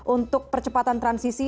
untuk percepatan transisi